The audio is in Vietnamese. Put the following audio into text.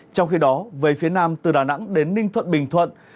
trong khi đó về phía nam từ đà nẵng đến ninh thuận bình thuận